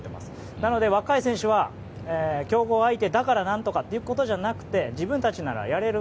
なので、若い選手は強豪相手だからなんとかなんてことじゃなくて自分たちならやれる。